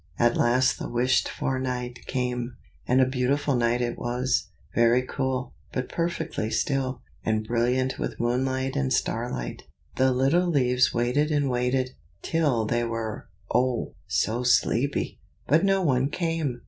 At last the wished for night came; and a beautiful night it was, very cool, but perfectly still, and brilliant with moonlight and starlight. The little leaves waited and waited, till they were, oh! so sleepy! but no one came.